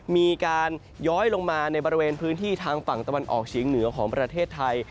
มีการย้อยลงมาในบริเวณพื้นที่ทางฝั่งตะวันออกเฉียงเหนือของประเทศไทย